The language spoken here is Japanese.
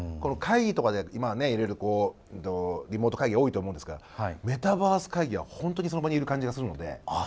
会議とかでいろいろリモート会議多いと思うんですけどメタバース会議は、本当にその場にいる感じがするので。